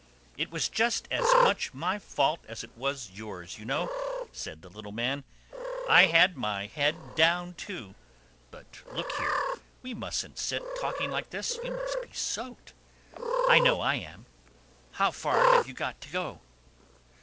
"It was just as much my fault as it was yours, you know," said the little man. "I had my head down too—but look here, we mustn't sit talking like this. You must be soaked. I know I am. How far have you got to go?"